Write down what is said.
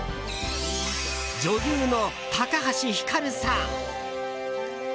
女優の高橋ひかるさん！